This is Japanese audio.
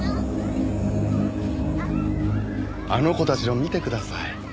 あの子たちを見てください。